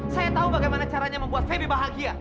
saya tahu bagaimana caranya membuat febi bahagia